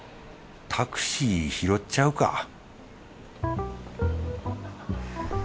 タクシー拾っちゃうか